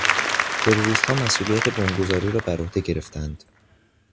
تروریستها مسئولیت بمبگذاری را برعهده گرفتند.